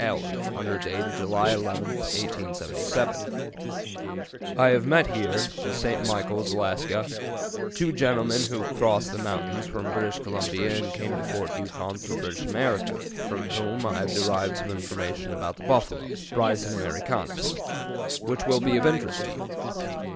Allen, under date of July 11, 1877: "I have met here [St. Michaels, Alaska] two gentlemen who crossed the mountains from British Columbia and came to Fort Yukon through British America, from whom I have derived some information about the buffalo (Bison americanus) which will be of interest to you.